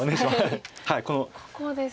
ここですか。